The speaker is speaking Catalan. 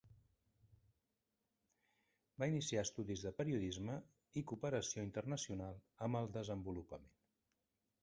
Va iniciar estudis de periodisme i Cooperació Internacional amb el Desenvolupament.